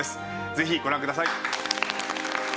ぜひご覧ください。